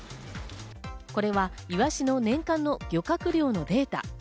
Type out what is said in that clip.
これはイワシの年間の漁獲量のデータ。